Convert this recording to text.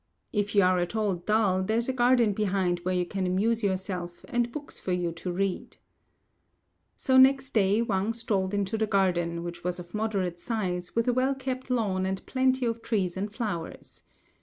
If you are at all dull, there's a garden behind where you can amuse yourself, and books for you to read." So next day Wang strolled into the garden, which was of moderate size, with a well kept lawn and plenty of trees and flowers.